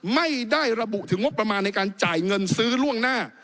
ไม่ได้ระบุถึงงบประมาณในการจ่ายเงินซื้อล่วงหน้า